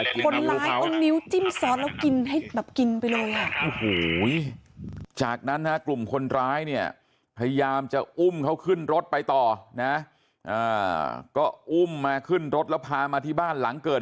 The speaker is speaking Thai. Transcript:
เป็นช่วงที่สบโอกาส